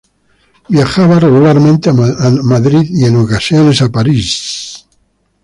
Viajaba regularmente a Madrid y en ocasiones a París.